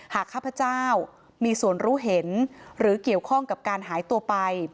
ข้าพเจ้ามีส่วนรู้เห็นหรือเกี่ยวข้องกับการหายตัวไป